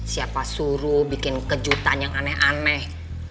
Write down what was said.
siapa suruh bikin kejutan yang aneh aneh